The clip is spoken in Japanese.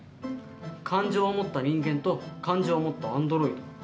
感情を持った人間と感情を持ったアンドロイド。